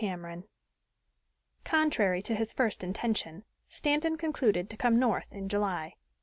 CAMERON Contrary to his first intention, Stanton concluded to come North in July.